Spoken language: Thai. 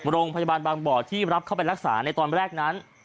โรงพยาบาลบางบ่อที่รับเข้าไปรักษาในตอนแรกนั้น